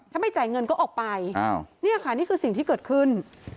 ถ้าไม่จ่ายเงินก็ออกไปนี่ค่ะนี่คือสิ่งที่เกิดขึ้น